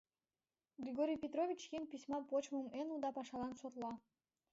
Григорий Петрович еҥ письма почмым эн уда пашалан шотла.